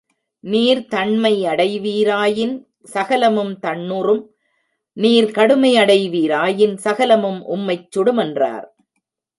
நீர் தண்மை அடைவீராயின் சகலமும் தண்ணுறும் நீர் கடுமை அடைவீராயின் சகலமும் உம்மைச் சுடுமென்றார்.